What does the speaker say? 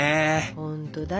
本当だよ。